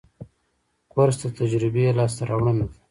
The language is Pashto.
کورس د تجربې لاسته راوړنه ده.